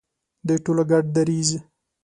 د ټولو ګډ دریځ.